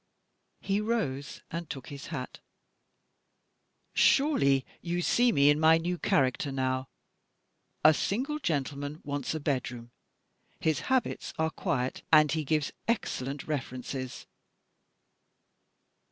He rose, and took his hat. "Surely, you see me in my new character now? A single gentleman wants a bedroom. His habits are quiet, and he gives excellent references.